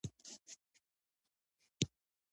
پلار لا نه دی راغلی.